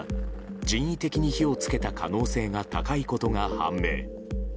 人為的に火を付けた可能性が高いことが判明。